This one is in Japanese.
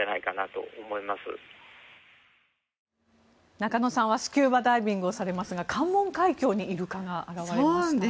中野さんはスキューバダイビングをされますが関門海峡にイルカが現れました。